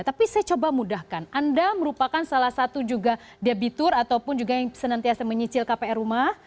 tapi saya coba mudahkan anda merupakan salah satu juga debitur ataupun juga yang senantiasa menyicil kpr rumah